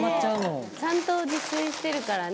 藤本：ちゃんと自炊してるからね